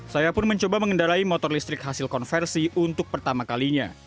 saya pun mencoba mengendarai motor listrik hasil konversi untuk pertama kalinya